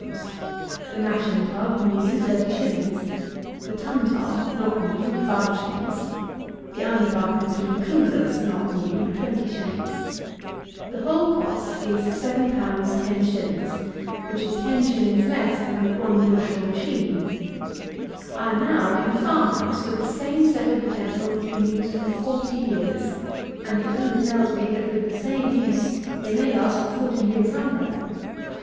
_; the mashing tub, new, 30_s._; the tun tub, not new, 5_s._; the underbuck and three coolers, not new, 20_s._ The whole cost is 7_l._ 10_s._ which is ten shillings less than the one bushel machine. I am now in a farm house, where the same set of utensils has been used for forty years; and the owner tells me, that, with the same use, they may last for forty years longer.